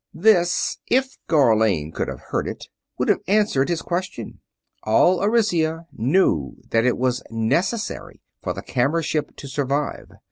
This, if Gharlane could have heard it, would have answered his question. All Arisia knew that it was necessary for the camera ship to survive.